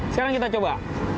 sekarang kita coba